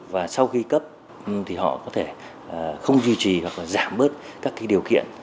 và sau khi cấp thì họ có thể không duy trì hoặc là giảm bớt các điều kiện